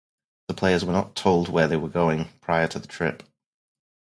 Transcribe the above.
The players were not told where they were going prior to the trip.